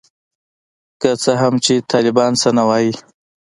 که څه هم چي طالبان څه نه وايي.